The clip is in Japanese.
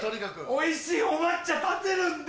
おいしいお抹茶たてるんで。